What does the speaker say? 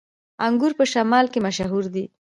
انګور په شمالی کې مشهور دي